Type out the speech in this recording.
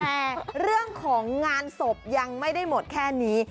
แต่เรื่องของงานศพยังไม่ได้หมดแค่นี้